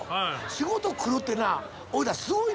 仕事来るってなおいらすごいねんで。